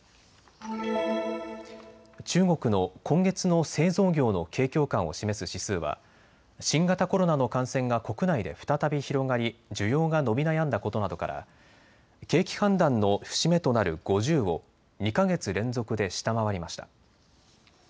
中国の今月の製造業の景況感を示す指数は新型コロナの感染が国内で再び広がり需要が伸び悩んだことなどから景気判断の節目となる５０を２か月連続で下回りました。